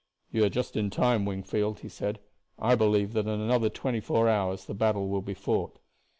"You are just in time, Wingfield," he said. "I believe that in another twenty four hours the battle will be fought.